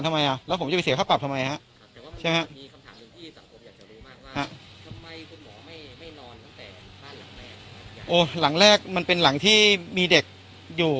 ไม่นอนตั้งแต่บ้านหลังแรกโอ้หลังแรกมันเป็นหลังที่มีเด็กอยู่